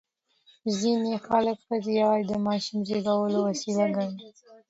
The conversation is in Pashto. ځینې خلک ښځې یوازې د ماشوم زېږولو وسیله ګڼي.